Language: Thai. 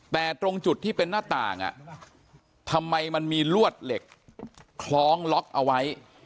แต่ตรงจุดที่เป็นหน้าต่างทำไมมันมีลวดเหล็กคล้องล็อกเอาไว้